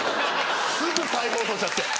すぐ再放送しちゃって。